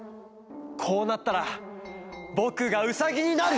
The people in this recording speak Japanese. こうなったらぼくがウサギになる！